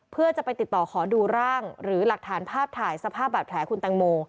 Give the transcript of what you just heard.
เพื่อจะไปติดต่อขอดูร่างหรือหลักฐานภาพถ่ายสภาพบาดแผลคุณแตงโม